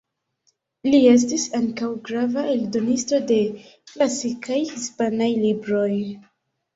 Li estis ankaŭ grava eldonisto de klasikaj hispanaj libroj.